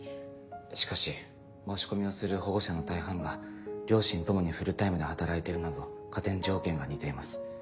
しかし申し込みをする保護者の大半が両親共にフルタイムで働いているなど加点条件が似ています。